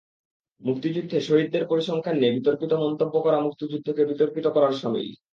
মুক্তিযুদ্ধে শহীদের পরিসংখ্যান নিয়ে বিতর্কিত মন্তব্য করা মুক্তিযুদ্ধকে বিতর্কিত করার শামিল।